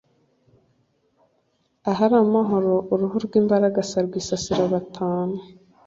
Ahari amahoro, uruhu rw’imbaragasa rwisasira batanu.